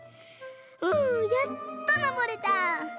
うんやっとのぼれた。